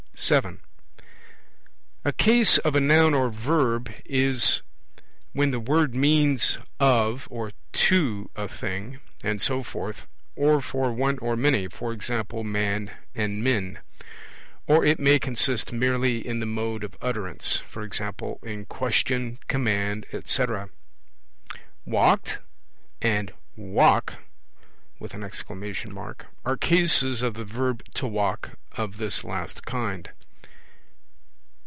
(7) A Case of a Noun or Verb is when the word means 'of or 'to' a thing, and so forth, or for one or many (e.g. 'man' and 'men'); or it may consist merely in the mode of utterance, e.g. in question, command, etc. 'Walked?' and 'Walk!' are Cases of the verb 'to walk' of this last kind.